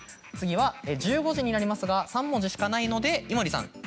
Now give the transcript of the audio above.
次は１５時になりますが３文字しかないので井森さん。